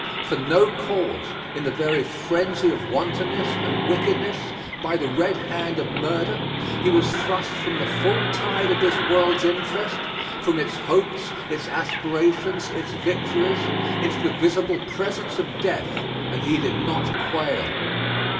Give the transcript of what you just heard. For no cause, in the very frenzy of wantonness and wickedness, by the red hand of murder, he was thrust from the full tide of this world's interest, from its hopes, its aspirations, its victories, into the visible presence of death and he did not quail.